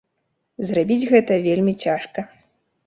Зрабіць гэта вельмі цяжка.